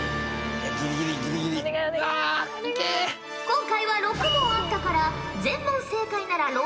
今回は６問あったから全問正解なら６００